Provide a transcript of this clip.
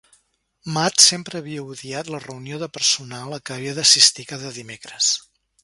Matt sempre havia odiat la reunió de personal a què havia d'assistir cada dimecres